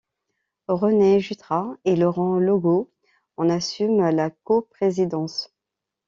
René Jutras et Laurent Legault en assument la coprésidence.